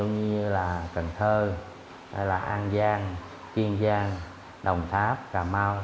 như là cần thơ an giang kiên giang đồng tháp cà mau